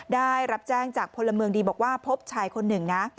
ได้รับแจ้งจากพลเมืองดีบอกว่าพบชายคนหนึ่งนะ